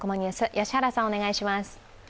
良原さん、お願いします。